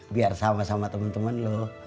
biar sama sama temen temen lo